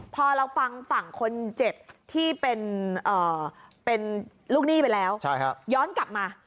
พอเราฟังฝั่งคนเจ็บที่เป็นลูกหนี้ไปแล้วย้อนกลับมา